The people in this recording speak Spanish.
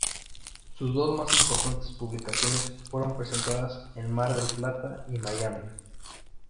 Sus dos más importantes publicaciones fueron presentadas en Mar del Plata y Miami.